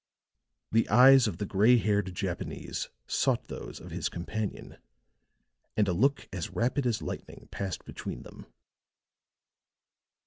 The eyes of the gray haired Japanese sought those of his companion; and a look as rapid as lightning passed between them.